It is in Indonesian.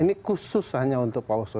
ini khusus hanya untuk pak oso